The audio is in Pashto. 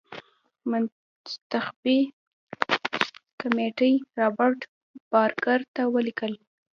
منتخبي کمېټې رابرټ بارکر ته ولیکل.